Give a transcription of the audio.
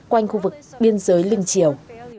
quanh khu vực biên giới liên triều